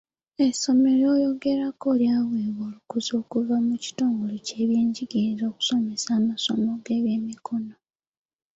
Essomero lyoyogerako lyawebwa olukusa okuva mu kitongoole ekyebyenjigiriza okusomesa amasomo g'ebyemikono